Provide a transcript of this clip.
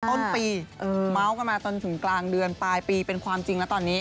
ต้นปีเมาส์กันมาจนถึงกลางเดือนปลายปีเป็นความจริงแล้วตอนนี้